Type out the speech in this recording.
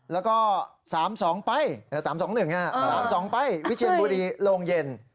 แล้วก็๓๒ไป๓๒๑๓๒ไปวิเชียนบุรีโรงเย็น